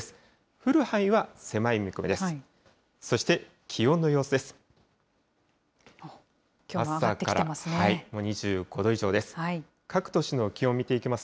降る範囲は狭い見込みです。